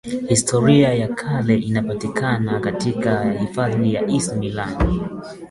historia ya kale inapatikana katika hifadhi ya isimila